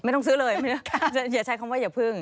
ต้องซื้อเลยอย่าใช้คำว่าอย่าพึ่ง